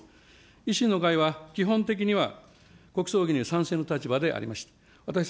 維新の会は、基本的には国葬儀に賛成の立場でありました。